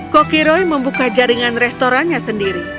koki roy membuka jaringan restorannya sendiri